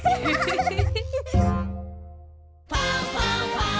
「ファンファンファン」